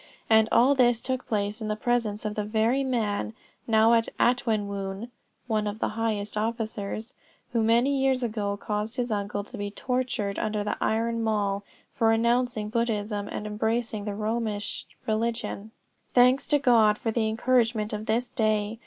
And all this took place in the presence of the very man, now an Atwenwoon, (one of the highest officers) who many years ago, caused his uncle to be tortured under the iron mall, for renouncing Buddhism and embracing the Romish religion!... "Thanks to God for the encouragement of this day!